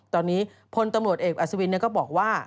ตอนนี้พลตำรวจเอกอัศวินก็บอกว่า